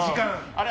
あれ？